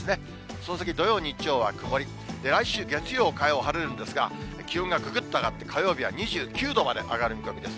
その先土曜、日曜は曇り、来週月曜、火曜、晴れるんですが、気温がぐぐっと上がって火曜日は２９度まで上がる見込みです。